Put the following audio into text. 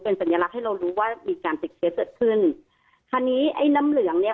เป็นสัญลักษณ์ให้เรารู้ว่ามีการติดเกลียดเสร็จขึ้นคันนี้ไอ้น้ำเหลืองเนี้ย